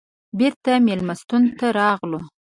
بېرته مېلمستون ته راغلو.